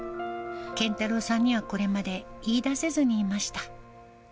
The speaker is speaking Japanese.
謙太郎さんにはこれまで言い出せずにいました。